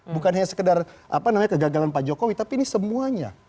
bukan hanya sekedar kegagalan pak jokowi tapi ini semuanya